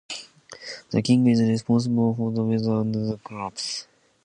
The king is responsible for the weather and the crops.